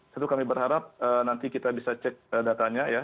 tentu kami berharap nanti kita bisa cek datanya ya